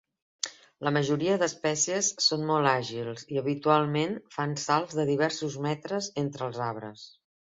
La majoria d'espècies són molt àgils i habitualment fan salts de diversos metres entre els arbres.